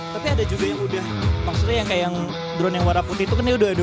tapi ada juga yang udah maksudnya yang kayak yang drone yang warna putih itu kan dia udah